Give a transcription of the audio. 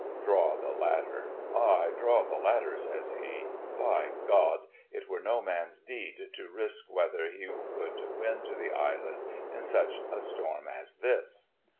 Draw the ladder! Ay, draw the ladder, says he. By God! it were no man's deed to risk whether he could win to the island in such a storm as this."